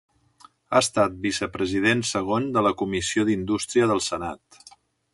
Ha estat vicepresident segon de la Comissió d'Indústria del Senat.